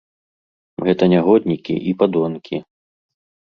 Гэта нягоднікі і падонкі.